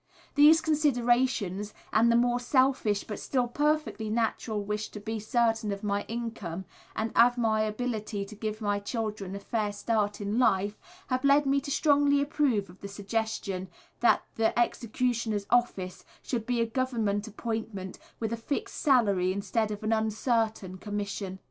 These considerations, and the more selfish but still perfectly natural wish to be certain of my income and of my ability to give my children a fair start in life, have led me to strongly approve of the suggestion that the executioner's office should be a Government appointment, with a fixed salary instead of an uncertain commission.